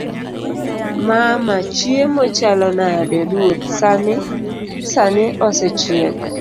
mama; chiemo chalo nade? ruoth; sani sani osechiek